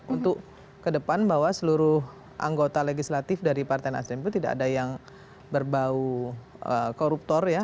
untuk ke depan bahwa seluruh anggota legislatif dari partai nasdem itu tidak ada yang berbau koruptor ya